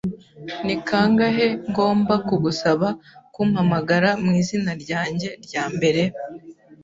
Ni kangahe ngomba kugusaba kumpamagara mwizina ryanjye ryambere?